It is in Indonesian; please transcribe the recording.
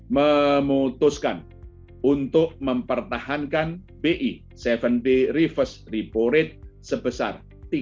memutuskan untuk mempertahankan bi tujuh day reverse repo rate sebesar